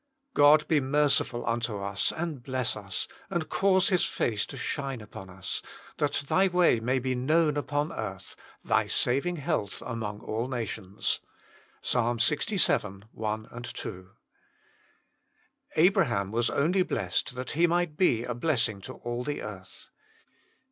God be merciful unto us, and bless us ; and cause His face to shine upon us. That Thy way may be known upon earth, Thy saving health among all nations." Ps. Ixvii. 1, 2. Abraham was only blessed that ho might be a blessing to all the earth.